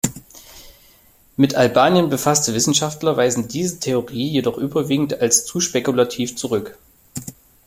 Mit Albanien befasste Wissenschaftler weisen diese Theorie jedoch überwiegend als zu spekulativ zurück.